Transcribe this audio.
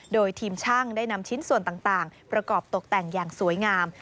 โดยทีมช่างได้นำชิ้นส่วนต่างประกอบตกแต่งอย่างสวยงาม